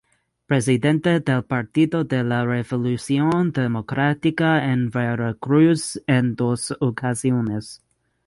Presidente del Partido de la Revolución Democrática en Veracruz en dos ocasiones.